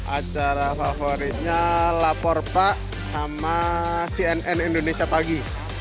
acara favoritnya lapor pak sama cnn indonesia pagi